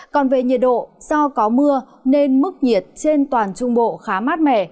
còn về nhiệt độ do có mưa nên mức nhiệt trên toàn trung bộ khá mát mẻ